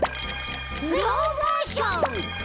スローモーション！